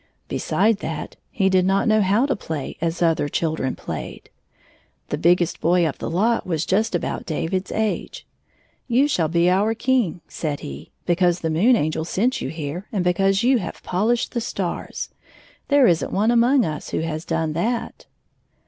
Beside that, he did not know how to play as other children played. The biggest boy of the lot was just about David's age. "You shall be our king," said he, "because the Moon Angel sent you here and because you have poHshed the stars. There is n't one among us who has done that."